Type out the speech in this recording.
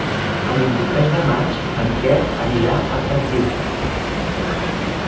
El vint-i-tres de maig en Quer anirà a Pratdip.